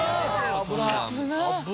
危ない。